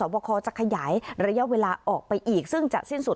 บคจะขยายระยะเวลาออกไปอีกซึ่งจะสิ้นสุด